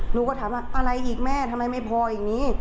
หนูก็ถามว่าอะไรอีกแม่ทำไมไม่พออย่างนี้